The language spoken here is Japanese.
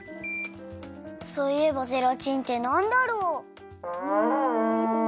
そういえばゼラチンってなんだろう？